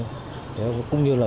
cũng như là tuyên truyền